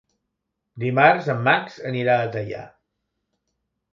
Dimarts en Max anirà a Teià.